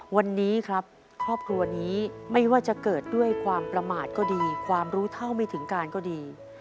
วันนี้ครับครอบครัวนี้ไม่ว่าจะเกิดด้วยความประมาทก็ดีความรู้เท่าไม่ถึงการก็ดี